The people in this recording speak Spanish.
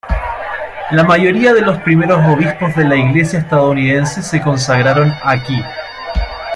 La mayoría de los primeros obispos de la Iglesia estadounidense se consagraron aquí.